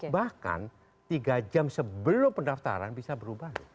bahkan tiga jam sebelum pendaftaran bisa berubah